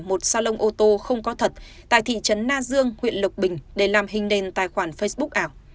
một salon ô tô không có thật tại thị trấn na dương huyện lộc bình để làm hình nền tài khoản facebook ảo